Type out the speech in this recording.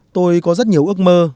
tôi có rất nhiều ước mơ